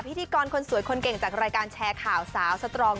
พิธีกรคนสวยคนเก่งจากรายการแชร์ข่าวสาวสตรอง